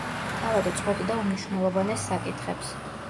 თავად წყვეტდა უმნიშვნელოვანეს საკითხებს.